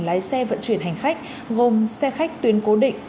bốn trăm linh lái xe vận chuyển hành khách gồm xe khách tuyến cố định